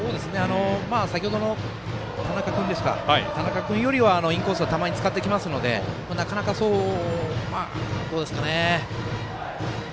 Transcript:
先程の田中君よりはインコースを使ってきますのでなかなかどうですかね。